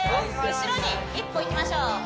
後ろに一歩いきましょう